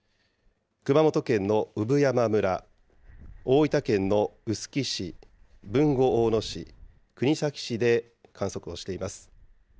熊本県の産山村、大分県の臼杵市、豊後大野市、国東市で観測をしています。